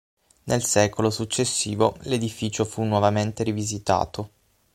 Nel secolo successivo l'edificio fu nuovamente rivisitato.